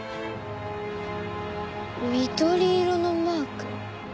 緑色のマーク。